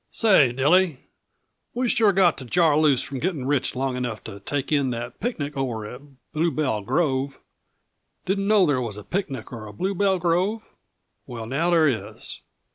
"Say, Dilly, we sure got to jar loose from getting rich long enough to take in that picnic over to Bluebell Grove. Didn't know there was a picnic or a Bluebell Grove? Well now, there is.